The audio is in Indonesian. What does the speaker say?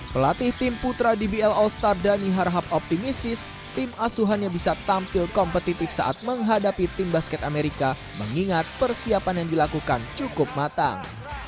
pelatih tim putra dbl all star dhani harhab optimistis tim asuhannya bisa tampil kompetitif saat menghadapi tim basket amerika mengingat persiapan yang dilakukan cukup matang